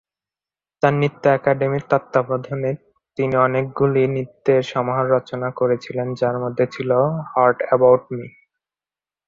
তাঁর নৃত্য একাডেমির তত্ত্বাবধানে, তিনি অনেকগুলি নৃত্যের সমাহার রচনা করেছিলেন, যার মধ্যে ছিল "হোয়াট অ্যাবাউট মি?"